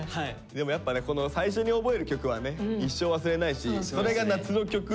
でもやっぱねこの最初に覚える曲はね一生忘れないしそれが夏の曲ってのがまたいいよね。